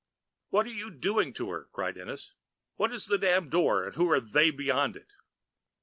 "What are you going to do to her?" cried Ennis. "What is this damned Door and who are They Beyond it?"